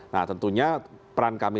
nah tentunya peran kami